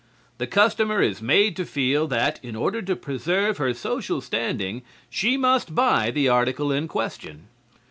The customer is made to feel that in order to preserve her social standing she must buy the article in question.